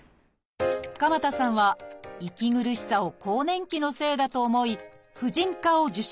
鎌田さんは息苦しさを更年期のせいだと思い婦人科を受診。